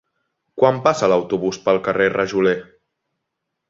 Quan passa l'autobús pel carrer Rajoler?